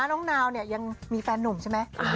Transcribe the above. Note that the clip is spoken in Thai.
นาวเนี่ยยังมีแฟนหนุ่มใช่ไหม